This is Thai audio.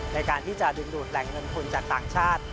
ในการที่จะดึงดูดแหล่งเงินทุนจากต่างชาติ